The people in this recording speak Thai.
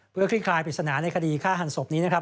เพื่อคลี่คลายปริศนาในคดีฆ่าหันศพนี้นะครับ